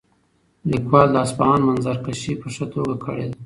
لیکوال د اصفهان منظرکشي په ښه توګه کړې ده.